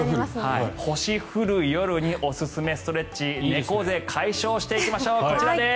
星降る夜におすすめストレッチ猫背解消していきましょうこちらです！